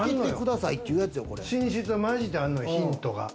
寝室マジであんのよヒントが。